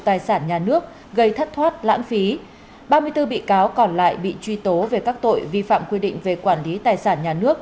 tài sản nhà nước gây thất thoát lãng phí ba mươi bốn bị cáo còn lại bị truy tố về các tội vi phạm quy định về quản lý tài sản nhà nước